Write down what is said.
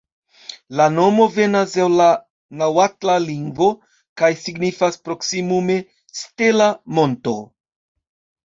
La nomo venas el la naŭatla lingvo kaj signifas proksimume «stela monto».